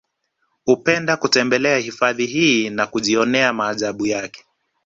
Hupenda kutembelea hifadhi hii na kujionea maajabu yake